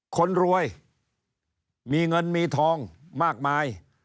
คนรวยมีเงินมีทองมากมาย